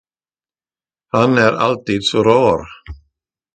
Han är alltid så rar.